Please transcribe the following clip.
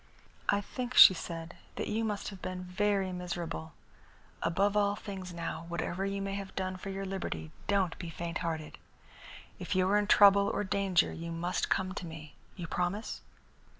"I think," she said, "that you must have been very miserable. Above all things, now, whatever you may have done for your liberty, don't be fainthearted. If you are in trouble or danger you must come to me. You promise?"